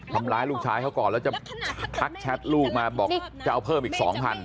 ทำร้ายลูกชายเขาก่อนแล้วจะทักแชทลูกมาบอกจะเอาเพิ่มอีก๒๐๐